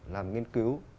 làm nghiên cứu